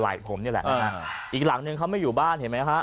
ผมนี่แหละนะฮะอีกหลังนึงเขาไม่อยู่บ้านเห็นไหมฮะ